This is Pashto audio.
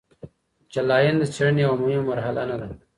جلاین د څیړنې یوه مهمه مرحله نه ده.